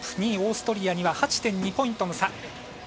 ２位オーストリアには８．２ポイントの差。